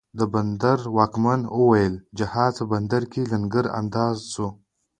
د بندر واکمن اوویل، جهاز په بندر کې لنګر انداز سو